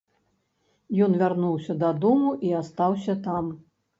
Ён вярнуўся дадому і астаўся там.